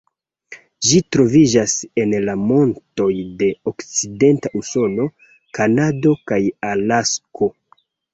Ĝi troviĝas en la montoj de okcidenta Usono, Kanado kaj Alasko.